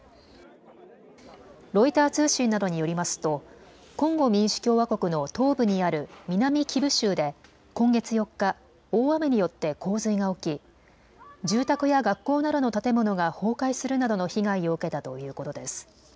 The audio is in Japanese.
ロイター通信などによりますとコンゴ民主共和国の東部にある南キブ州で今月４日、大雨によって洪水が起き住宅や学校などの建物が崩壊するなどの被害を受けたということです。